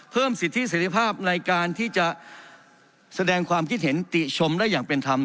เพิ่มสิทธิเสร็จภาพในการที่จะแสดงความคิดเห็นติชมได้อย่างเป็นธรรม